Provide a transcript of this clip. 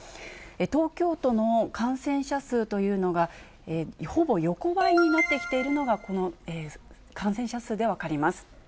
東京都の感染者数というのが、ほぼ横ばいになってきているというのが、この感染者数で分かります。